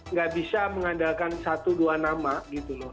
nggak bisa mengandalkan satu dua nama gitu loh